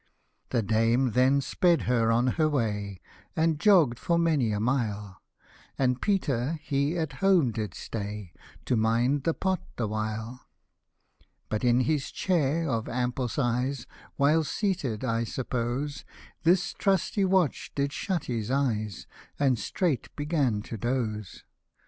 The dame then sped her on her way, And jogg'd for many a mile ; And Peter he at home did stay, To mind the pot the while. But in his chair of ample size While seated, I suppose, This trusty watch did shut his eyes, And straight began to doze.